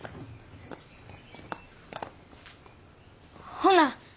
ほな